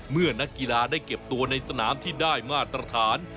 นักกีฬาได้เก็บตัวในสนามที่ได้มาตรฐาน